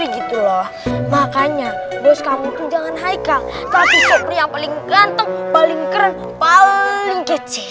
gitu loh makanya bos kamu pun jangan haikal tapi sop yang paling ganteng paling keren paling kecil